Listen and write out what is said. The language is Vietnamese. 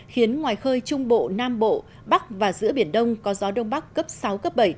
khiến ngoài khơi trung bộ nam bộ bắc và giữa biển đông có gió đông bắc cấp sáu cấp bảy